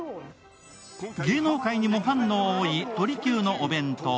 芸能界にもファンの多い鳥久のお弁当。